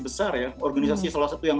besar ya organisasi salah satu yang